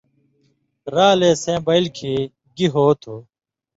رالیں سَیں بَیل کھیں گی ہو تُھو“۔